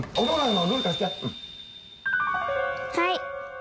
はい。